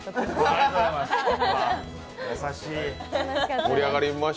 ありがとうございます。